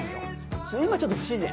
今ちょっと不自然？